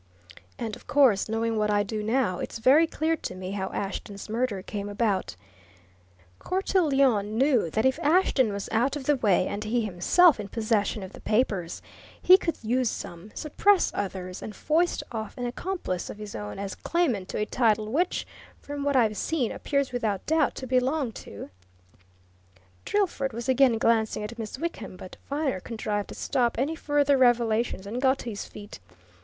And of course, knowing what I do now, it's very clear to me how Ashton's murder came about. Cortelyon knew that if Ashton was out of the way, and he himself in possession of the papers, he could use some, suppress others, and foist off an accomplice of his own as claimant to a title which, from what I've seen, appears without doubt to belong to " Drillford was again glancing at Miss Wickham, but Viner contrived to stop any further revelations and got to his feet.